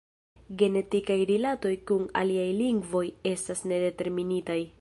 Genetikaj rilatoj kun aliaj lingvoj estas ne determinitaj.